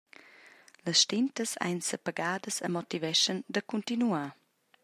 «Las stentas ein sepagadas e motiveschan da cuntinuar.»